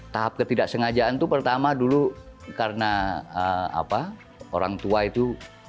tahap ketidaksengajaan itu pertama dulu karena orang tua itu